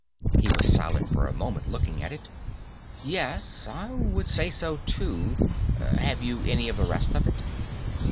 He was silent for a moment, looking at it. "Yes. I would say so, too. Have you any of the rest of it?"